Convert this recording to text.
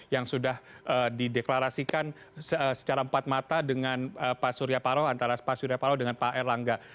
yang sudah dideklarasikan secara empat mata dengan pak surya paro antara pak surya paloh dengan pak erlangga